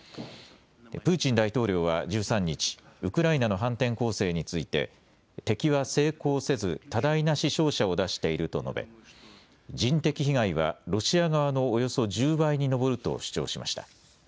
プーチン大統領は１３日、ウクライナの反転攻勢について敵は成功せず多大な死傷者を出していると述べ、人的被害はロシア側のおよそ１０倍に上ると主張しました。